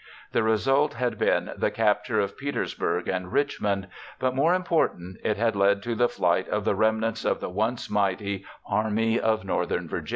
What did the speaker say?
The result had been the capture of Petersburg and Richmond, but more important, it had led to the flight of the remnants of the once mighty Army of Northern Virginia.